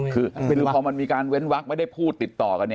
คือพอมันมีการเว้นวักไม่ได้พูดติดต่อกัน